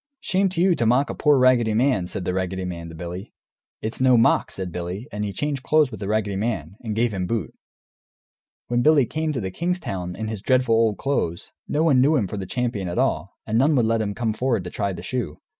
"Shame to you to mock a poor raggedy man!" said the raggedy man to Billy. "It's no mock," said Billy, and he changed clothes with the raggedy man, and gave him boot. When Billy came to the king's town, in his dreadful old clothes, no one knew him for the champion at all, and none would let him come forward to try the shoe.